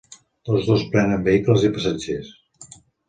Tots dos prenen vehicles i passatgers.